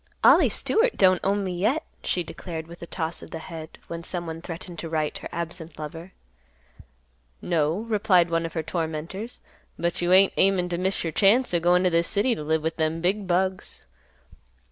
"Ollie Stewart don't own me yet," she declared with a toss of the head, when someone threatened to write her absent lover. "No," replied one of her tormentors, "but you ain't aimin' to miss your chance o' goin' t' th' city t' live with them big bugs."